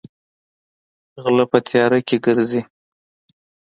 غلۀ پۀ تيارۀ کښې ګرځي ـ